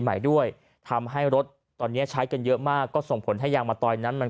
ใหม่ด้วยทำให้รถตอนนี้ใช้กันเยอะมากก็ส่งผลให้ยางมะตอยนั้นมัน